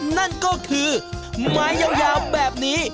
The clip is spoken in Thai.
นั่นก็คือไม้ยาวแบบนี้